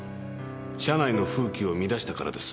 社内の風紀を乱したからです。